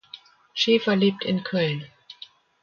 Schäfer lebt in Köln.